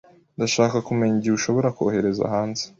Ndashaka kumenya igihe ushobora kohereza hanze.